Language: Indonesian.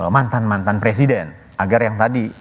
mantan mantan presiden agar yang tadi